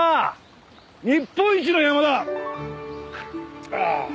日本一の山だ！ああ。